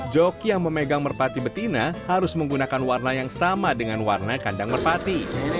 joki yang memegang merpati betina harus menggunakan warna yang sama dengan warna kandang merpati